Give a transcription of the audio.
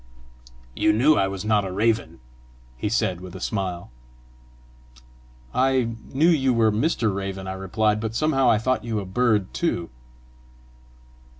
"You knew I was not a raven!" he said with a smile. "I knew you were Mr. Raven," I replied; "but somehow I thought you a bird too!"